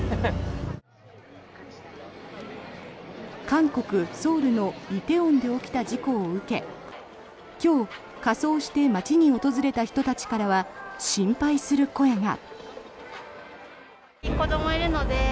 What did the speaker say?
韓国ソウルの梨泰院で起きた事故を受け今日仮装して街に訪れた人たちからは心配する声が。